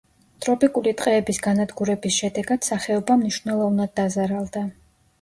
ტროპიკული ტყეების განადგურების შედეგად სახეობა მნიშვნელოვნად დაზარალდა.